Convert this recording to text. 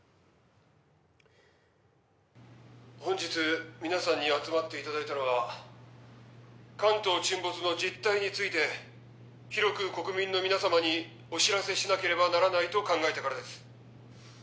本日皆さんに集まっていただいたのは関東沈没の実態について広く国民の皆様にお知らせしなければならないと考えたからです